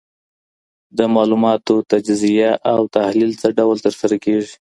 د معلوماتو تجزیه او تحلیل څه ډول ترسره کيږي؟